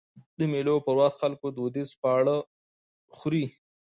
د مېلو پر وخت خلک دودیز خواږه خوري.